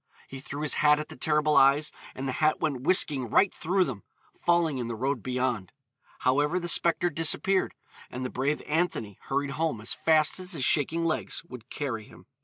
He threw his hat at the terrible eyes, and the hat went whisking right through them, falling in the road beyond. However, the spectre disappeared, and the brave Anthony hurried home as fast as his shaking legs would carry him.